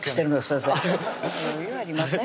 先生余裕ありませんよ